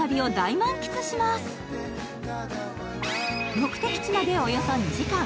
目的地までおよそ２時間。